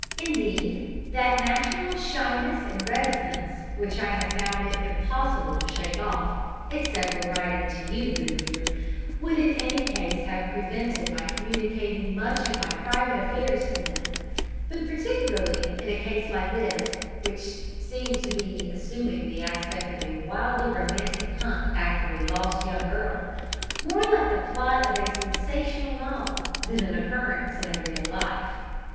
Indeed, that natural shyness and reticence which I have found it impossible to shake off except when writing to you, good reader would in any case have prevented my communicating much of my private affairs to them, but particularly in a case like this, which seemed to be assuming the aspect of a wildly romantic hunt after a lost young girl, more like the plot of a sensational novel than an occurrence in every day life.